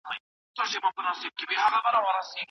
د دولت څارنه د خلکو لپاره مهمه ده.